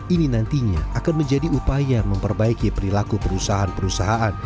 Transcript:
ini nantinya akan menjadi upaya memperbaiki perilaku perusahaan perusahaan